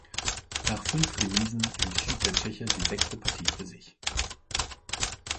Nach fünf Remisen entschied der Tscheche die sechste Partie für sich.